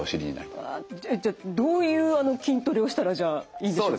じゃあどういう筋トレをしたらじゃあいいでしょうか？